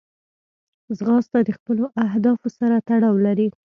ځغاسته د خپلو اهدافو سره تړاو لري